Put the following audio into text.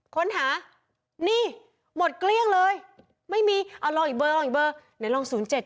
ค้นหานี่หมดเกลี้ยงเลยไม่มีเอาลองอีกเบอร์ลอง๐๗ซิฮะ